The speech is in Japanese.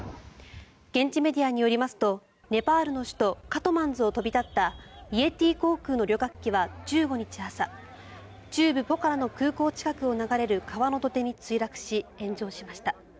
現地メディアによりますとネパールの首都カトマンズを飛び立ったイエティ航空の旅客機は１５日朝中部ポカラの空港近くを流れる川の土手に墜落し炎上しました。